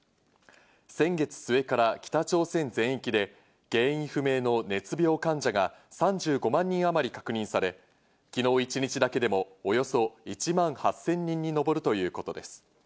先月末から北朝鮮全域で原因不明の熱病患者が３５万人あまり確認され、昨日一日だけでもおよそ１万８０００人に上るということです。